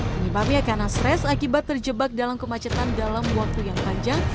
penyebabnya karena stres akibat terjebak dalam kemacetan dalam waktu yang panjang